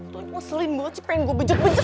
ternyata nyeselin banget sih pengen gue bejek bejek